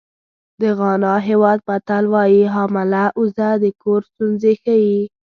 د غانا هېواد متل وایي حامله اوزه د کور ستونزې ښیي.